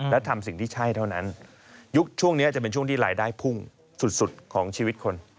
และทำสิ่งที่ใช่เท่านั้นยุคช่วงนี้จะเป็นช่วงที่รายได้พุ่งสุดของชีวิตคน